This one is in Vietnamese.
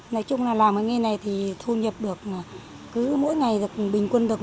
nói chung là làm cái nghề này thì thu nhập được cứ mỗi ngày bình quân được một trăm linh